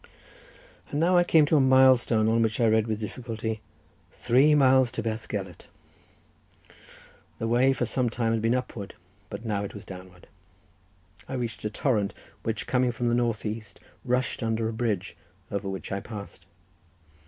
And now I came to a milestone, on which I read with difficulty: "Three miles to Bethgelert." The way for some time had been upward, but now it was downward. I reached a torrent, which, coming from the north west, rushed under a bridge, over which I passed.